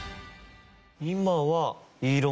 今は。